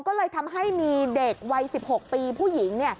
ก็เลยทำให้มีเด็กวัย๑๖ปีผู้หญิง